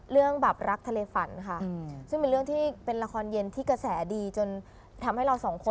เรื่องแบบรักทะเลฝันค่ะซึ่งเป็นเรื่องที่เป็นละครเย็นที่กระแสดีจนทำให้เราสองคน